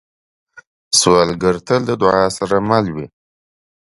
سوالګر تل د دعا سره مل وي